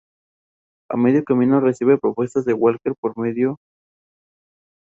A medio camino recibe propuesta de Walker por medio Mr.